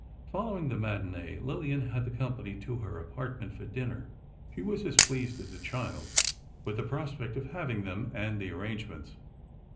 Following the matinée, Lillian had the company to her apartment, for dinner. She was as pleased as a child with the prospect of having them, and the arrangements.